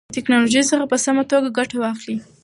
د تکنالوژۍ څخه په سمه توګه ګټه واخلئ.